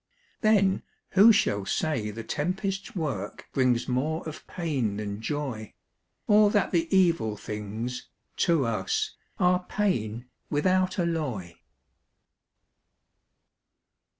Then who shall say the tempest's work Brings more of pain than joy; Or that the evil things, to us Are pain, without alloy?